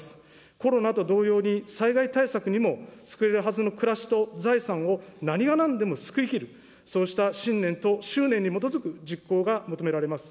コロナと同様に、災害対策にも救えるはずの暮らしと財産を何がなんでも救いきる、そうした信念と執念に基づく実行が求められます。